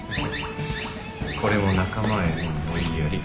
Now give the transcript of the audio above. これも仲間への思いやり。